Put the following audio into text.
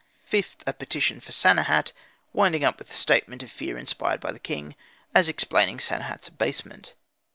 Fifth, a petition for Sanehat, winding up with the statement of fear inspired by the king, as explaining Sanehat's abasement.